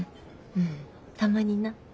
うんたまにな。